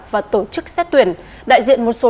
và tổ chức xét tuyển đại diện một số